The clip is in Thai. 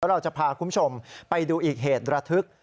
เราจะพาคุณผู้ชมไปดูอีกเหตุระทึก